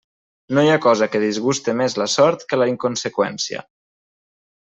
No hi ha cosa que disguste més la sort que la inconseqüència.